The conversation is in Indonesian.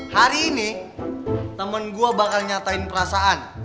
hari ini temen gue bakal nyatain perasaan